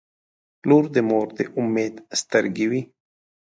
• لور د مور د امید سترګې وي.